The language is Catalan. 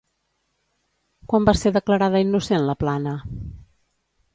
Quan va ser declarada innocent Laplana?